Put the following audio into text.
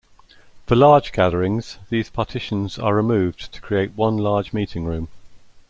For large gatherings, these partitions are removed to create one large meeting room.